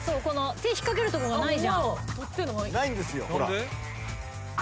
この手引っ掛けるとこがないじゃん。